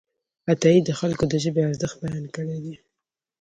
عطايي د خلکو د ژبې ارزښت بیان کړی دی.